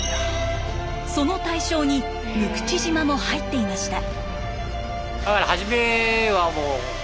その対象に六口島も入っていました。